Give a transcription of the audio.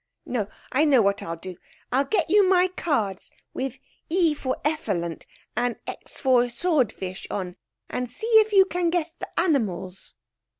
No; I know what I'll do, I'll get you my cards, with E for ephalunt and X for swordfish on, and see if you can guess the animals.'